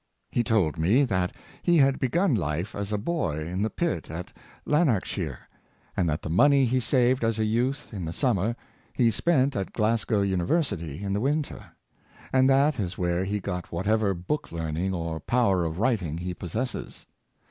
He told me that he had begun life as a boy in the pit at Lanarkshire, and that the money he saved as a youth in the summer he spent at Glasgow University in the winter; and that is where he got whatever book learning or power of writing he pos sesses.